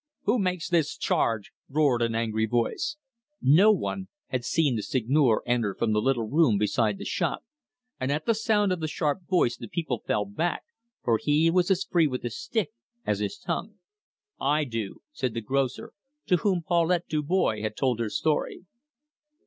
"Who makes this charge?" roared an angry voice. No one had seen the Seigneur enter from the little room beside the shop, and at the sound of the sharp voice the people fell back, for he was as free with his stick as his tongue. "I do," said the grocer, to whom Paulette Dubois had told her story.